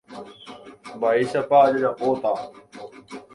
Mba'éichapa jajapóta.